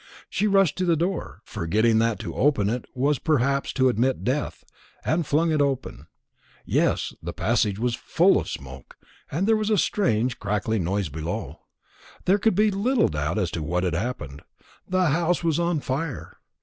She rushed to the door, forgetting that to open it was perhaps to admit death, and flung it open. Yes, the passage was full of smoke, and there was a strange crackling sound below. There could be little doubt as to what had happened the house was on fire.